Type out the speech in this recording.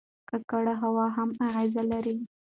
ککړه هوا هم اغېز لري.